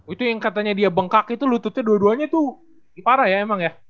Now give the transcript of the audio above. itu yang katanya dia bengkak itu lututnya dua duanya tuh parah ya emang ya